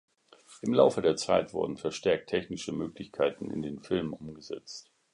Im Laufe der Zeit wurden verstärkt technische Möglichkeiten in den Filmen umgesetzt.